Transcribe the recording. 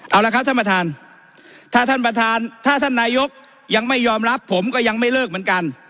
เอาละครับท่านประธานถ้าท่านประธานถ้าท่านนายกยังไม่ยอมรับผมก็ยังไม่เลิกเหมือนกัน